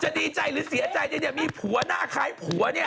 ดีใจหรือเสียใจเนี่ยมีผัวหน้าคล้ายผัวเนี่ย